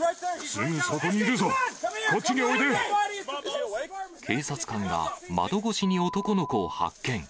すぐそこにいるぞ、こっちに警察官が、窓越しに男の子を発見。